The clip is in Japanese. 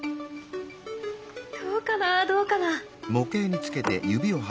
どうかなどうかな？